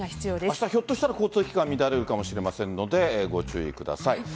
明日、ひょっとしたら交通機関が乱れるかもしれませんのでご注意ください。